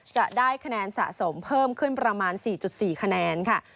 จะได้คะแนนสะสมเพิ่มขึ้นประมาณ๔๔คะแนนค่ะ